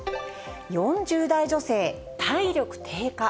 ４０代女性、体力低下。